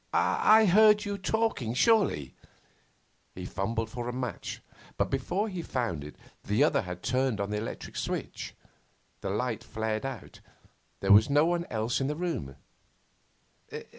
'I heard you talking, surely?' He fumbled for a match; but, before he found it, the other had turned on the electric switch. The light flared out. There was no one else in the room.